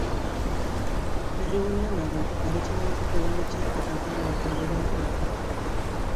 Herrigunean dago, Aretxabaletako udaletxea eta Otalora jauregiaren artean.